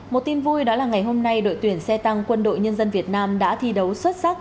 một tin vui đó là ngày hôm nay đội tuyển xe tăng quân đội nhân dân việt nam đã thi đấu xuất sắc